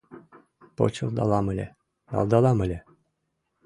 Почылдалам ыле, налдалам ыле